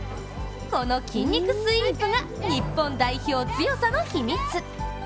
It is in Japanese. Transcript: この筋肉スイープが日本代表強さの秘密。